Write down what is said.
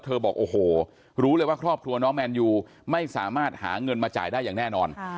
บอกโอ้โหรู้เลยว่าครอบครัวน้องแมนยูไม่สามารถหาเงินมาจ่ายได้อย่างแน่นอน